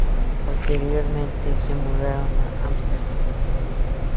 Posteriormente se mudaron a Ámsterdam.